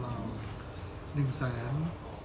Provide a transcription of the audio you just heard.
๑แสน๑หมื่น